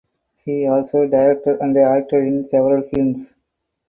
He also directed and acted in several films.